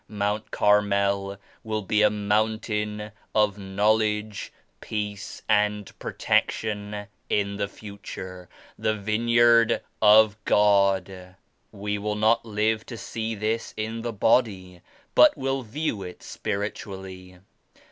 Mount Carmel will be a Mountain of Knowledge, Peace and Protection in the future — the vineyard of God. We will not live to see this in the body but will view it spiritually.